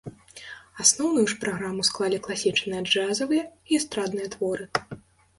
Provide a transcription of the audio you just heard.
Асноўную ж праграму склалі класічныя джазавыя і эстрадныя творы.